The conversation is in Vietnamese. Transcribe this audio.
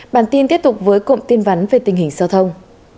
bản tin tiếp tục với cụm tin vắn về tình hình giao thông